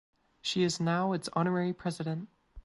She is now its Honorary President.